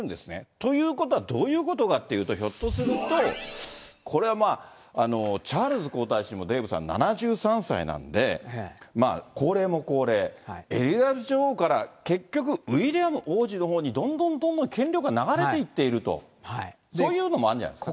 ということはどういうことかっていうと、ひょっとすると、これはまあ、チャールズ皇太子も、デーブさん、７３歳なんで、高齢も高齢、エリザベス女王から、結局、ウィリアム王子のほうに、どんどん権力が流れていってると、そういうのもあるんじゃないです